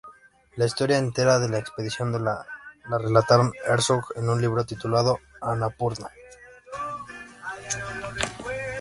La historia entera de la expedición la relataron Herzog en un libro titulado “"Annapurna.